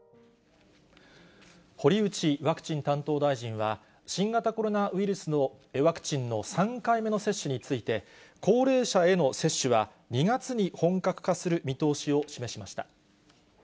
堀内ワクチン担当大臣は、新型コロナウイルスのワクチンの３回目の接種について、高齢者には２月に本格化する見通しを示しました。